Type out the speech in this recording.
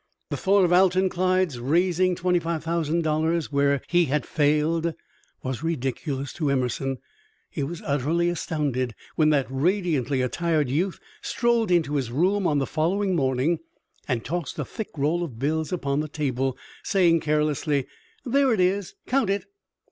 The thought of Alton Clyde's raising twenty five thousand dollars where he had failed was ridiculous to Emerson. He was utterly astounded when that radiantly attired youth strolled into his room on the following morning and tossed a thick roll of bills upon the table, saying, carelessly: "There it is; count it."